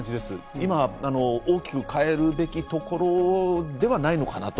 今大きく変えるべきところではないのかなと。